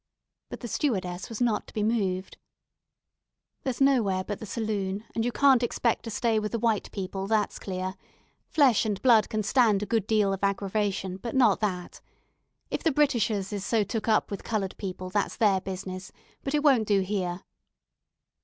But the stewardess was not to be moved. "There's nowhere but the saloon, and you can't expect to stay with the white people, that's clear. Flesh and blood can stand a good deal of aggravation; but not that. If the Britishers is so took up with coloured people, that's their business; but it won't do here."